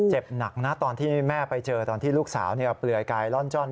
เจ็บหนักนะตอนที่แม่ไปเจอตอนที่ลูกสาวเปลือยกายร่อนจ้อน